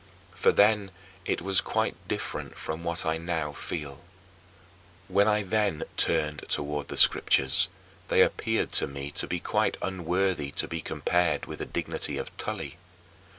For then it was quite different from what I now feel. When I then turned toward the Scriptures, they appeared to me to be quite unworthy to be compared with the dignity of Tully.